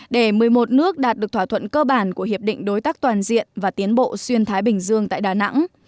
để một mươi một nước đạt được thỏa thuận cơ bản của hiệp định đối tác toàn diện và tiến bộ xuyên thái bình dương tại đà nẵng